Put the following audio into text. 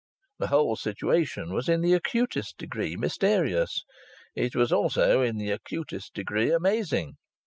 The whole situation was in the acutest degree mysterious. It was also in the acutest degree amazing.